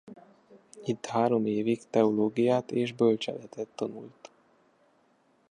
Itt három évig teológiát és bölcseletet tanult.